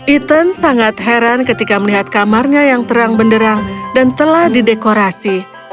ethan sangat heran ketika melihat kamarnya yang terang benderang dan telah didekorasi